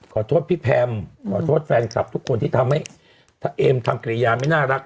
ขอโทษพี่แพมขอโทษแฟนคลับทุกคนที่ทำให้ถ้าเอมทำกริยาไม่น่ารัก